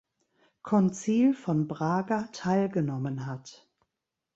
Konzil von Braga teilgenommen hat.